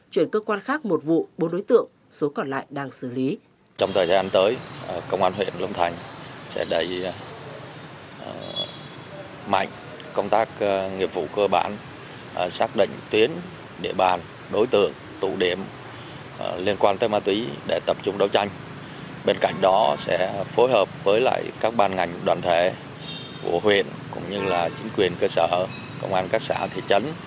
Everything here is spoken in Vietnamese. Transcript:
chuyển cơ quan khác một vụ bốn đối tượng số còn lại đang xử lý